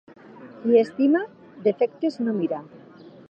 Qui estima, defectes no mira.